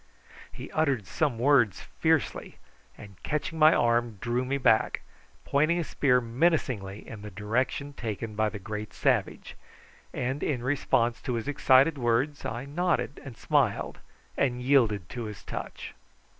He uttered some words fiercely, and, catching my arm, drew me back, pointing his spear menacingly in the direction taken by the great savage, and in response to his excited words I nodded and smiled and yielded to his touch.